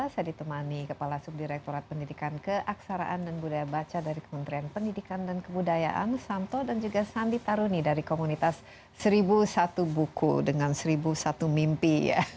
saya ditemani kepala subdirektorat pendidikan keaksaraan dan budaya baca dari kementerian pendidikan dan kebudayaan santo dan juga sandi taruni dari komunitas seribu satu buku dengan seribu satu mimpi